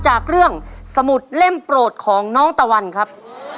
จากเรื่องสมุดเล่มโปรดของน้องตะวันครับ